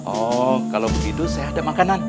oh kalau begitu saya ada makanan